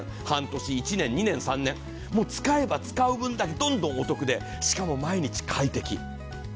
半年１年２年３年もう使えば使う分だけどんどんお得でしかも毎日快適。